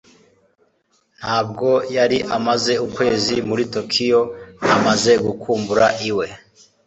Ntabwo yari amaze ukwezi muri Tokiyo amaze gukumbura iwe